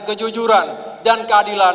kejujuran dan keadilan